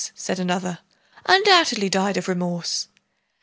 said another, "Undoubtedly died of remorse!"